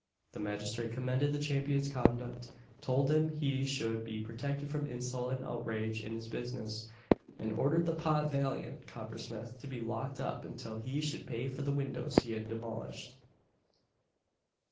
The magistrate commended the Champion's conduct; told him he should be protected from insult and outrage in his business; and ordered the pot valiant coppersmith to be locked up until he should pay for the windows he had demolished.